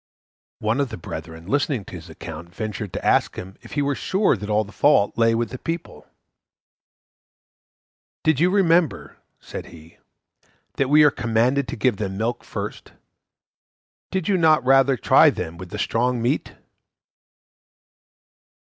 One of the brethren, listening to his account, ventured to ask him if he were sure that all the fault lay with the people. "Did you remember," said he, "that we are commanded to give them the milk first? Did you not rather try them with the strong meat?"